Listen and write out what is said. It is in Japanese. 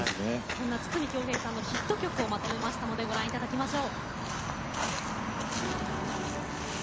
そんな筒美京平さんのヒット曲をまとめましたのでご覧頂きましょう。